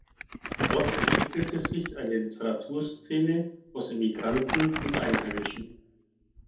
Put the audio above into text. Dort entwickelte sich eine Literaturszene aus Emigranten und Einheimischen.